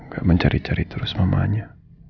kayak mencari cari terus mamanya